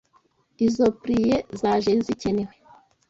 Izo pliers zaje zikenewe.